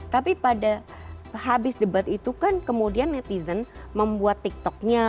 tapi pada habis debat itu kan kemudian netizen membuat tiktoknya